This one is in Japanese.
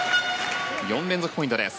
４連続ポイントです。